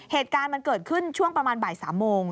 เหตุการณ์มันเกิดขึ้นช่วงประมาณบ่าย๓โมง